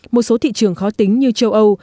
một số thị trường khó tính như châu âu